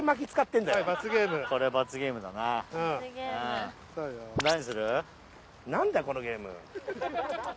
なんだよこのゲーム。？